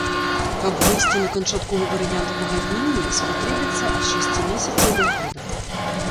Каб выйсці на канчатковы варыянт пагаднення, спатрэбіцца ад шасці месяцаў да года.